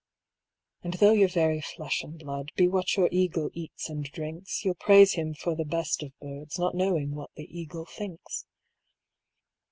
"And though your very flesh and blood Be what your Eagle eats and drinks, You'll praise him for the best of birds, Not knowing what the Eagle thinks.